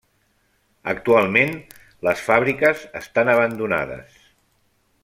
Actualment les fàbriques estan abandonades.